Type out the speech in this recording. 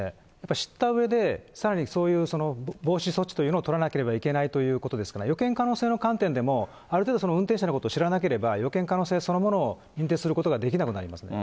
知ったうえで、さらにそういう防止措置というのを取らなければいけないということですから、予見可能性の観点でも、ある程度、運転者のこと知らなければ、予見可能性そのものを認定することができなくなりますから。